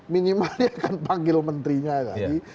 minimal dia akan panggil menterinya lagi